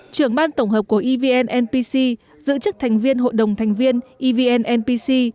trưởng ban tổng hợp của evn npc giữ chức thành viên hội đồng thành viên evn npc